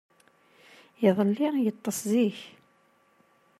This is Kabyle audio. Iḍelli, yeṭṭes zik.